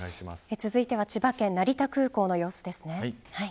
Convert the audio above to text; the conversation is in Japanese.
続いては千葉県成田空港の様子です。